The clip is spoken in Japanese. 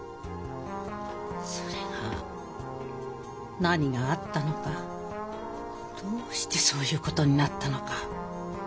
それが何があったのかどうしてそういうことになったのか。